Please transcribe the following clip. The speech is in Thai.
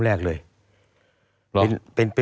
ตั้งแต่ปี๒๕๓๙๒๕๔๘